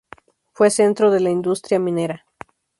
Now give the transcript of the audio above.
Fue centro de la industria minera.